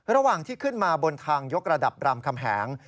ระหว่างที่ขึ้นมาบนทางยกระดับรามคำแหง